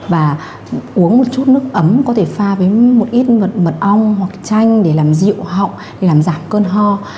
và uống một chút nước ấm có thể pha với một ít mật mật ong hoặc chanh để làm dịu họng làm giảm cơn ho